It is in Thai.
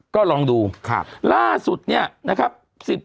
ก็ลองดูล่าสุดเนี่ยนะครับ